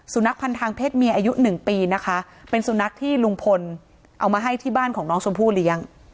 นักพันธ์ทางเพศเมียอายุหนึ่งปีนะคะเป็นสุนัขที่ลุงพลเอามาให้ที่บ้านของน้องชมพู่เลี้ยง